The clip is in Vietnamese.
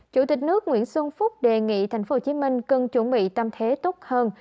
chủ tịch nước nguyễn xuân phúc đề nghị tp hcm cần chuẩn bị tâm thế tốt hơn